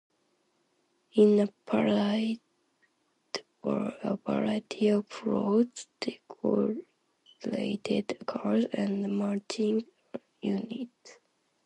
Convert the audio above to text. In a parade were a variety of floats, decorated cars, and marching units.